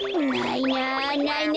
ないな。